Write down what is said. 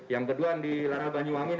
yang kedua di larabanyu amin